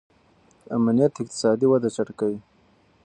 امنیت اقتصادي وده چټکوي.